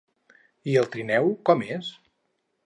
I el trineu, com és?